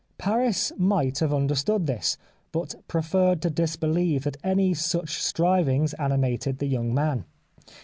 Paris might have understood this, but preferred to disbelieve that any such strivings animated the young man.